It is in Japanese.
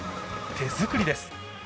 手作りです。